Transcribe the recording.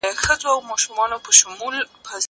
کېدای سي تکړښت ستړی وي؟!